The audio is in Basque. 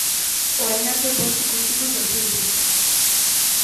Orain arte bost ikuskizun sortu dituzte.